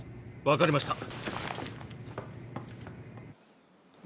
分かりました。